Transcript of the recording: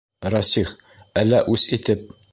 Рәсих, әллә үс итеп...